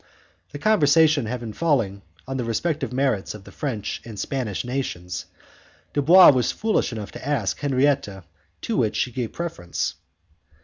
The conversation having fallen on the respective merits of the French and Spanish nations, Dubois was foolish enough to ask Henriette to which she gave preference.